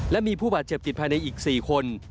และมีผู้บาดเจ็บติดภายในอีก๔คน